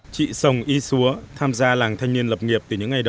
chị sông y xúa tham gia làng thanh niên lập nghiệp từ những ngày đó